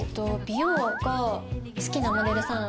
美容アカ好きなモデルさん